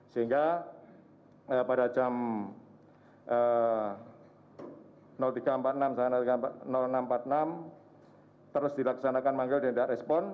sehingga pada jam tiga empat puluh enam enam ratus empat puluh enam terus dilaksanakan manggil dan tidak respon